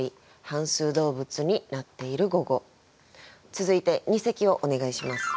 続いて二席をお願いします。